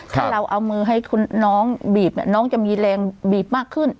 ถ้าเราเอามือให้คุณน้องบีบน้องจะมีแรงบีบมากขึ้น